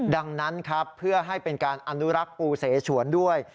ดังนั้นครับเพื่อให้เป็นการอนุรักษ์ปูเสฉวนด้วย